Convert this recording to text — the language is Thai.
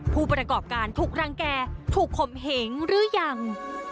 ผู้ประกอบการถูกรังแก่ถูกข่มเหงหรือยัง